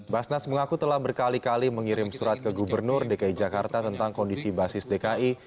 basnas mengaku telah berkali kali mengirim surat ke gubernur dki jakarta tentang kondisi basis dki